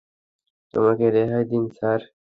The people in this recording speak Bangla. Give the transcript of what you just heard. আমাকে রেহাই দিন, স্যার।